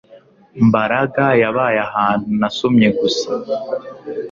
Mbaraga yabaye ahantu nasomye gusa